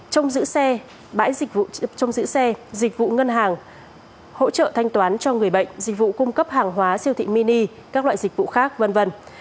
trong giữ xe bãi dịch vụ trông giữ xe dịch vụ ngân hàng hỗ trợ thanh toán cho người bệnh dịch vụ cung cấp hàng hóa siêu thị mini các loại dịch vụ khác v v